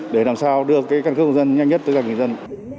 để làm sao đưa căn cước công dân nhanh nhất tới các người dân